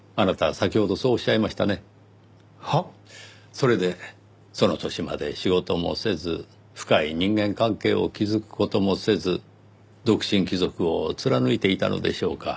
それでその年まで仕事もせず深い人間関係を築く事もせず独身貴族を貫いていたのでしょうか。